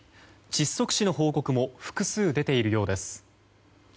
窒息死の報告も複数出ているようです。